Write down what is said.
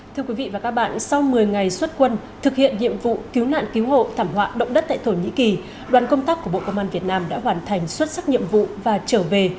thưa quý vị và các bạn sau một mươi ngày xuất quân thực hiện nhiệm vụ cứu nạn cứu hộ thảm họa động đất tại thổ nhĩ kỳ đoàn công tác của bộ công an việt nam đã hoàn thành xuất sắc nhiệm vụ và trở về